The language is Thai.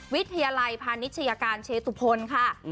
วิทยาลัยพาณิชยาการเชตุพลค่ะ